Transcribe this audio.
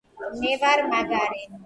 მე ვარ მაგარი